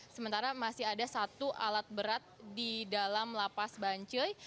sementara masih ada satu alat berat di dalam lapas bancoi